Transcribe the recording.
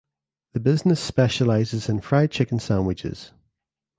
The business specializes in fried chicken sandwiches.